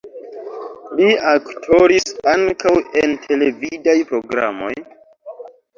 Li aktoris ankaŭ en televidaj programoj.